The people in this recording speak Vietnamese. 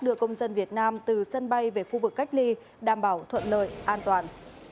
đưa công dân việt nam từ sân bay về khu vực cách ly đảm bảo thuận lợi an toàn